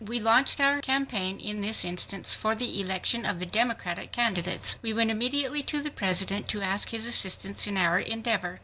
We launched our campaign in this instance for the election of the Democratic candidates. We went immediately to the President to ask his assistance in our endeavor.